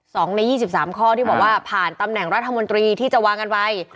สองในยี่สิบสามข้อที่บอกว่าผ่านตำแหน่งรัฐมนตรีที่จะวางกันไว้